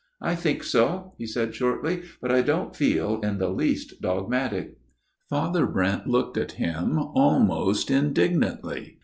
" I think so," he said shortly, " but I don't feel in the least dogmatic." Father Brent looked at him almost indignantly.